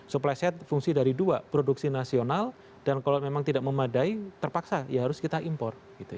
supply side fungsi dari dua produksi nasional dan kalau memang tidak memadai terpaksa ya harus kita impor